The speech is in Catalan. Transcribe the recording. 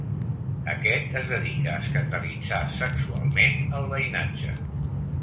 Aquest es dedica a escandalitzar sexualment el veïnatge.